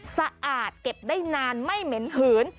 สะอาดเก็บได้นานไม่เหม็นหืน